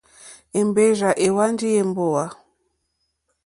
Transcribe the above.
Èmbèrzà èhwánjì èmbówà.